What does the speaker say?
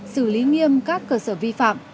xử lý nghiêm các cơ sở vi phạm